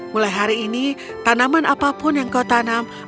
mulai hari ini tanaman apapun yang kau tanam